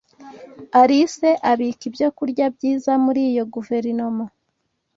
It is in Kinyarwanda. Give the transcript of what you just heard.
Alice abika ibyokurya byiza muri iyo guverinoma.